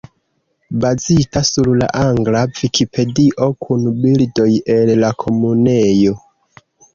Bazita sur la angla Vikipedio kun bildoj el la Komunejo.